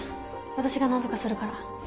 わたしが何とかするから